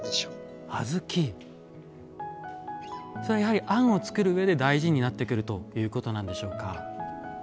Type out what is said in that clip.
それはやはり餡を作る上で大事になってくるということなんでしょうか？